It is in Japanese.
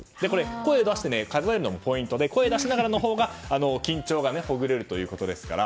声を出して数えるのもポイントで声を出しながらのほうが緊張がほぐれるということですから。